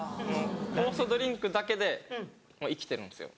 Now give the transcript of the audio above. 酵素ドリンクだけで生きてるんですよ。